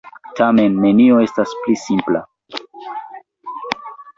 Tamen, nenio estas pli simpla.